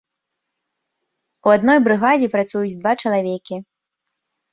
У адной брыгадзе працуюць два чалавекі.